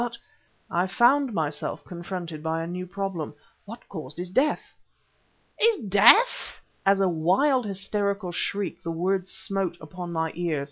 But" I found myself confronted by a new problem "what caused his death?" "His ... death!" As a wild, hysterical shriek the words smote upon my ears.